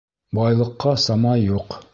Байлыҡҡа сама юҡ